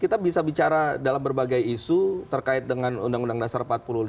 kita bisa bicara dalam berbagai isu terkait dengan undang undang dasar empat puluh lima